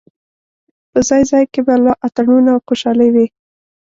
په ځای ځای کې به لا اتڼونه او خوشالۍ وې.